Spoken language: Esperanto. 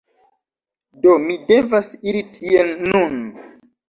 Do mi devas iri tien nun.